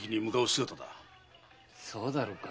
そうだろうか？